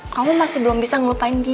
kamu masih belum bisa ngelupain dia